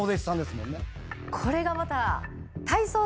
これがまた。